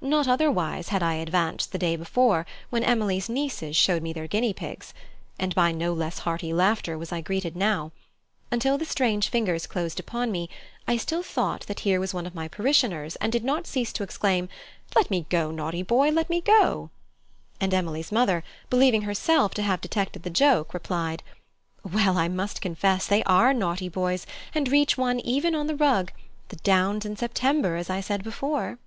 Not otherwise had I advanced the day before, when Emily's nieces showed me their guinea pigs. And by no less hearty laughter was I greeted now. Until the strange fingers closed upon me, I still thought that here was one of my parishioners and did not cease to exclaim, "Let me go, naughty boy, let go!" And Emily's mother, believing herself to have detected the joke, replied, "Well I must confess they are naughty boys and reach one even on the rug: the downs in September, as I said before."